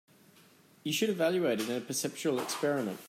You should evaluate it in a perceptual experiment.